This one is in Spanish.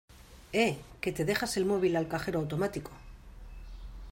Eh, ¡que te dejas el móvil al cajero automático!